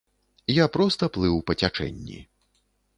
Я проста плыў па цячэнні.